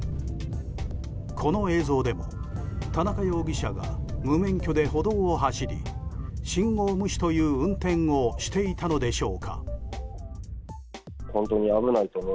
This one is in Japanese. この映像でも田中容疑者が無免許で歩道を走り信号無視という運転をしていたのでしょうか。